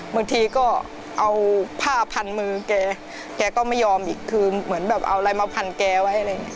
บางทีก็เอาผ้าพันมือแกแกก็ไม่ยอมอีกคือเหมือนแบบเอาอะไรมาพันแกไว้อะไรอย่างเงี้